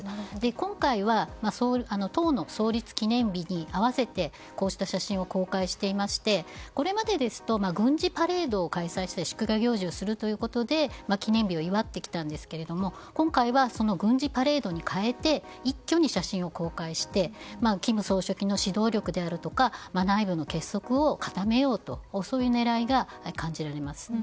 今回は党の創立記念日に合わせてこうした写真を公開していましてこれまでですと軍事パレードを開催して祝賀行事をするということで記念日を祝ってきたんですが今回は軍事パレードにかえて一挙に写真を公開して金総書記の指導力であるとか内部の結束を固めようという狙いが感じられます。